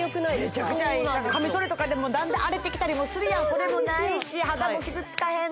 めちゃくちゃええカミソリとかでもだんだん荒れてきたりもするやんそれもないし肌も傷つかへん